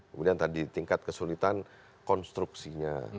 kemudian tadi tingkat kesulitan konstruksinya